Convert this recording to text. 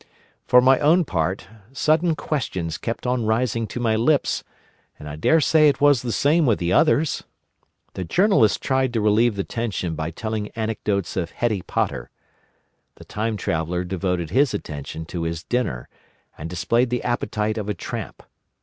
For my own part, sudden questions kept on rising to my lips, and I dare say it was the same with the others. The Journalist tried to relieve the tension by telling anecdotes of Hettie Potter. The Time Traveller devoted his attention to his dinner, and displayed the appetite of a tramp.